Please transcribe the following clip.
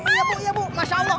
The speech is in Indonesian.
iya bu masya allah